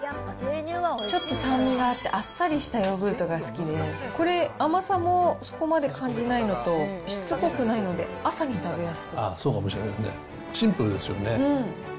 ちょっと酸味があって、あっさりしたヨーグルトが好きで、これ、甘さもそこまで感じないのと、しつこくないので、朝に食べやすそそうかもしれないですね、シンプルですよね。